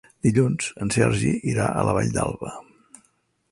Dilluns en Sergi irà a la Vall d'Alba.